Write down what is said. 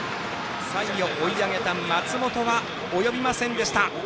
追い上げた松本及びませんでした。